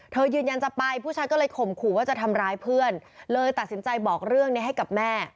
ยืนยันจะไปผู้ชายก็เลยข่มขู่ว่าจะทำร้ายเพื่อนเลยตัดสินใจบอกเรื่องนี้ให้กับแม่